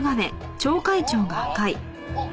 あっ。